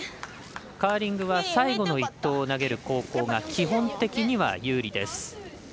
カーリングは最後の１投を投げる後攻が基本的には有利です。